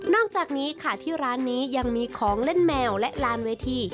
อกจากนี้ค่ะที่ร้านนี้ยังมีของเล่นแมวและลานเวที